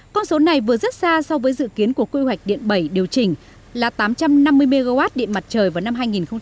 con số này vừa rất xa so với dự kiến của quy hoạch điện bảy điều chỉnh là tám trăm năm mươi mw điện mặt trời vào năm hai nghìn ba mươi